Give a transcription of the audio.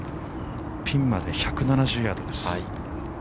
◆ピンまで１７０ヤードです。